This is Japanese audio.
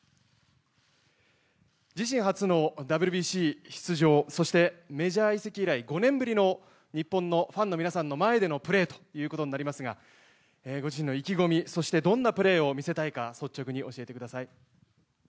自身初のＷＢＣ出場そしてメジャー移籍以来５年ぶりの日本のファンの皆さんの前でのプレーとなりますがご自身の意気込みそしてどんなプレーを見せたいか率直に教えてください。